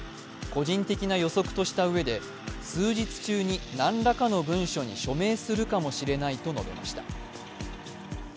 個人的な予測としたうえで、数日中に何らかの文書に署名するかもしれないと述べました。